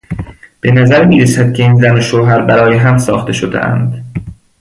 به نظر میرسد که این زن و شوهر برای هم ساخته شدهاند.